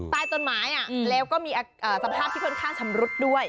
ใต้ต้นไม้แล้วก็มีสภาพที่ค่อนข้างชำรุดด้วย